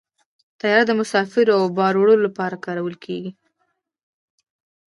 طیاره د مسافرو او بار وړلو لپاره کارول کېږي.